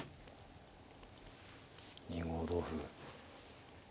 ２五同歩。